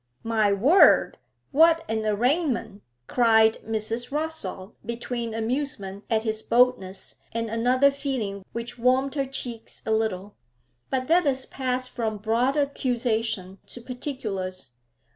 'My word, what an arraignment!' cried Mrs. Rossall, between amusement at his boldness and another feeling which warmed her cheeks a little. 'But let us pass from broad accusation to particulars.